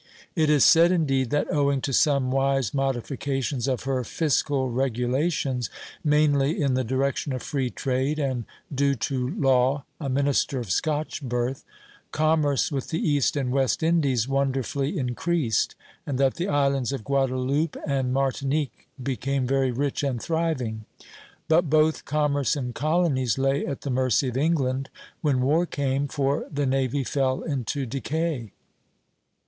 It is said, indeed, that owing to some wise modifications of her fiscal regulations, mainly in the direction of free trade (and due to Law, a minister of Scotch birth), commerce with the East and West Indies wonderfully increased, and that the islands of Guadeloupe and Martinique became very rich and thriving; but both commerce and colonies lay at the mercy of England when war came, for the navy fell into decay.